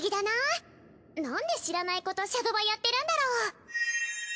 なんで知らない子とシャドバやってるんだろ？